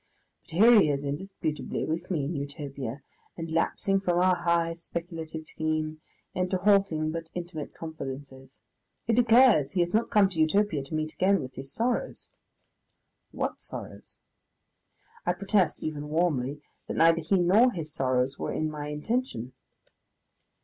But here he is, indisputably, with me in Utopia, and lapsing from our high speculative theme into halting but intimate confidences. He declares he has not come to Utopia to meet again with his sorrows. What sorrows? I protest, even warmly, that neither he nor his sorrows were in my intention.